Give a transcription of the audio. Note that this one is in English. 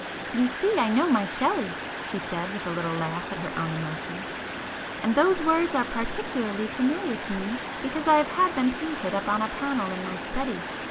"You see I know my Shelley!" she said with a little laugh at her own emotion—"And those words are particularly familiar to me, because I have had them painted up on a panel in my study.